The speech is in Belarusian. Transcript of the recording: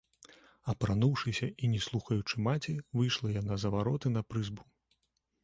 Апрануўшыся і не слухаючы маці, выйшла яна за вароты на прызбу.